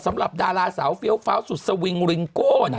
สำหรับดาราสาวเฟี้ยวฟ้าสุดสวิงริงโก้